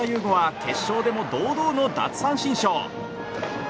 伍は決勝でも堂々の奪三振ショー。